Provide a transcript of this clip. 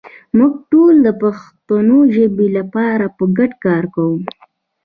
موږ ټول د پښتو ژبې لپاره په ګډه کار کوو.